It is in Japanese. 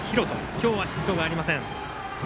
今日はヒットがありません。